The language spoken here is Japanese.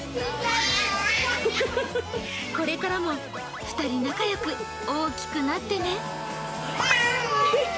これからも２人仲良く大きくなってね。